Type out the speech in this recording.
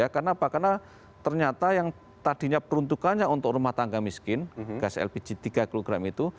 karena apa karena ternyata yang tadinya peruntukannya untuk rumah tangga miskin gas lpg tiga kg itu